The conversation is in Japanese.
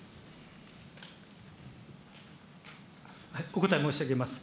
お答え申し上げます。